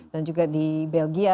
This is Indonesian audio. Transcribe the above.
dan juga di belgia